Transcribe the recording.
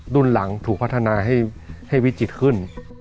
รุ่นหลังถูกพัฒนาให้วิจิตรขึ้น